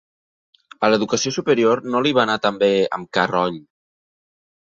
A l'educació superior no li va anar tan bé amb Carroll.